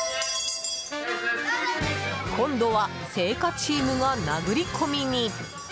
今度は青果チームが殴り込みに。